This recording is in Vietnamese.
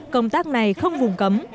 công tác này không vùng cấm